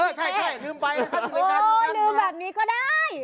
โอ้ลืมแบบนี้ก็ได้